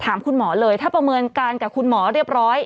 ถามคุณหมอเลยถ้าประเมินการกับคุณหมอเรียบร้อย